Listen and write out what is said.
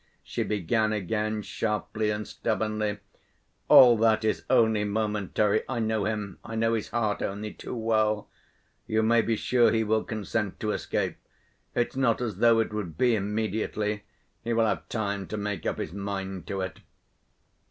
she began again, sharply and stubbornly. "All that is only momentary, I know him, I know his heart only too well. You may be sure he will consent to escape. It's not as though it would be immediately; he will have time to make up his mind to it.